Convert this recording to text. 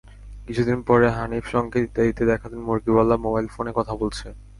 কিছুদিন পরে হানিফ সংকেত ইত্যাদিতে দেখালেন, মুরগিওয়ালা মোবাইল ফোনে কথা বলছে।